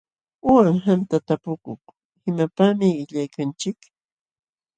Uqam qamta tapukuk: ¿Imapaqmi qillqaykanchik?